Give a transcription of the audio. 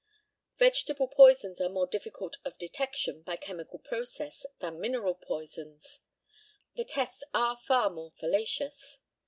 Vegetable poisons are more difficult of detection, by chemical process, than mineral poisons; the tests are far more fallacious.